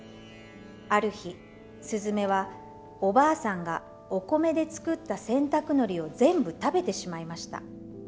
ある日すずめはおばあさんがお米で作った洗濯のりを全部食べてしまいました。